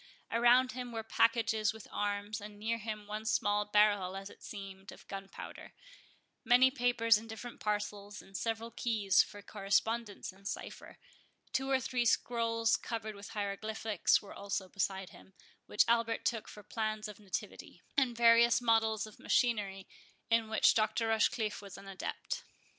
Around him were packages with arms, and near him one small barrel, as it seemed, of gunpowder; many papers in different parcels, and several keys for correspondence in cipher; two or three scrolls covered with hieroglyphics were also beside him, which Albert took for plans of nativity; and various models of machinery, in which Dr. Rochecliffe was an adept.